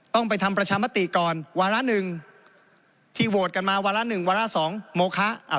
ต้องไปทำประชามติก่อนวาระหนึ่งที่โหวตกันมาวาระหนึ่งวาระสองโมคะอ่า